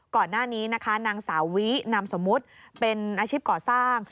ก่อนหน้านี้นะคะนางสาววินามสมมุติเป็นอาชีพก่อสร้าง